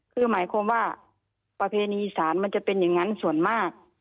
คือหมายความว่าประเพณีอีสานมันจะเป็นอย่างนั้นส่วนมาก